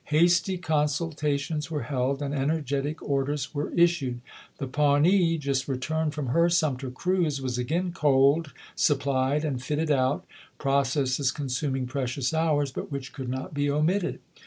Hasty consultations were held and energetic orders were issued. The Paivnee, just returned from her Sum ter cruise, was again coaled, supplied, and fitted out — processes consuming precious hours, but which could not be omitted.